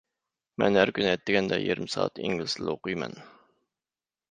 مەن ھەر كۈنى ئەتىگەندە يېرىم سائەت ئىنگلىز تىلى ئوقۇيمەن.